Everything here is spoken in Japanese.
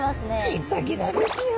ギザギザですよ。